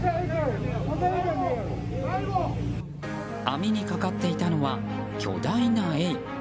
網にかかっていたのは巨大なエイ。